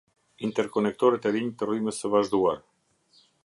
Interkonektorët e rinj të rrymës së vazhduar.